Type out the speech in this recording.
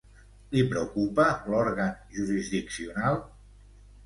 Li preocupa l'òrgan jurisdiccional?